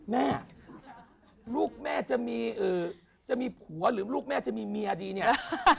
แม่ลูกแม่จะมีจะมีผัวหรือลูกแม่จะมีเมียดีเนี่ย